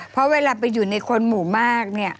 เพราะเวลาไปอยู่ในคนหมู่มากเนี่ย